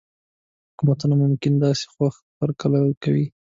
حکومتونه ممکن د داسې خوځښت هرکلی وکړي.